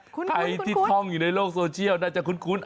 ใครที่ท่องอยู่ในโลกโซเชียลน่าจะคุ้น